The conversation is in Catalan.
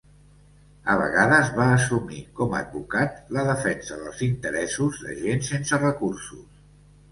A vegades va assumir, com advocat, la defensa dels interessos de gent sense recursos.